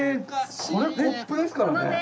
これコップですからね。